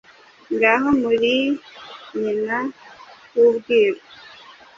Ngaho muri nyina w'Ubwiru !